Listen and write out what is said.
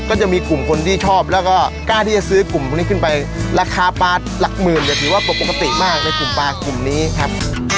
ก็จะมีกลุ่มคนที่ชอบแล้วก็กล้าที่จะซื้อกลุ่มพวกนี้ขึ้นไปราคาปลาหลักหมื่นเนี่ยถือว่าปกติมากในกลุ่มปลากลุ่มนี้ครับ